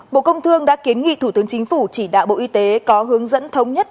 bộ công thương đã kiến nghị thủ tướng chính phủ chỉ đạo bộ y tế có hướng dẫn thống nhất